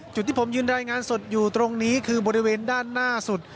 จุดที่ผมยืนรายงานสดอยู่ตรงนี้คือบริเวณด้านหน้าสุด